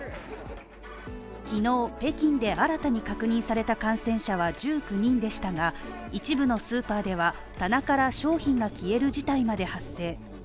昨日北京で新たに確認された感染者は１９人でしたが、一部のスーパーでは、棚から商品が消える事態まで発生。